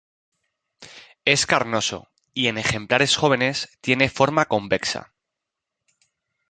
Es carnoso, y en ejemplares jóvenes tiene forma convexa.